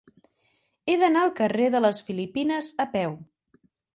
He d'anar al carrer de les Filipines a peu.